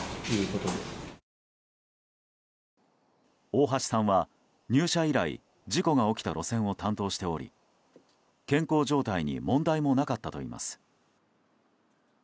大橋さんは入社以来事故が起きた路線を担当しており健康状態に問題もなかったといいます。